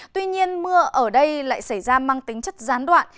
tuy nhiên mưa ở đây lại xảy ra mang tính chất gián đoạn